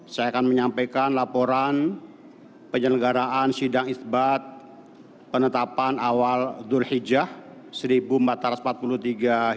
saya akan menyampaikan laporan penyelenggaraan sidang isbat penetapan awal durhijah seribu empat ratus empat puluh tiga hijri